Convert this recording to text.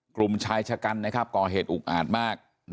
กลุ่มชายชะกันนะครับก่อเหตุอุกอาจมาก